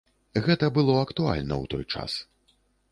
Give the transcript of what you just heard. Гэта было актуальна ў той час.